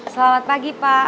selamat pagi pak